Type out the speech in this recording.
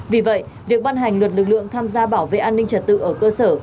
vì vậy việc ban hành luật lực lượng tham gia bảo vệ an ninh chất tử ở cơ sở